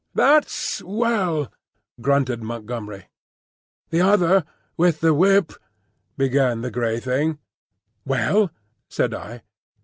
"That's well," grunted Montgomery. "The Other with the Whip—" began the grey Thing. "Well?" said I.